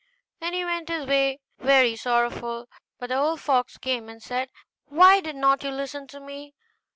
Then he went his way very sorrowful; but the old fox came and said, 'Why did not you listen to me?